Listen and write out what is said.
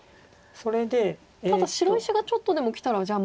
ただ白石がちょっとでもきたらじゃあ